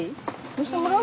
乗してもらう？